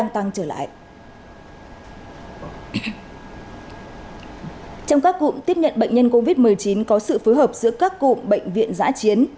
trong các cụm tiếp nhận bệnh nhân covid một mươi chín có sự phối hợp giữa các cụm bệnh viện giã chiến